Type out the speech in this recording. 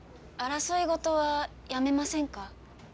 争いごとはやめませんか？